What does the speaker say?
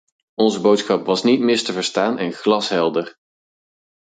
Onze boodschap was niet mis te verstaan en glashelder.